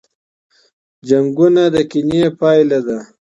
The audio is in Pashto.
جنګونه د کینې پایله ده.